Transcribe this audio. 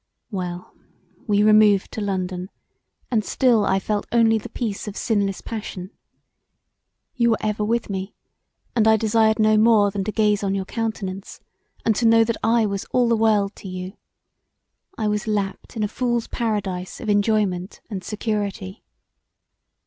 Well, we removed to London, and still I felt only the peace of sinless passion. You were ever with me, and I desired no more than to gaze on your countenance, and to know that I was all the world to you; I was lapped in a fool's paradise of enjoyment and security.